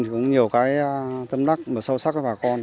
cũng nhiều cái tâm lắc và sâu sắc với bà con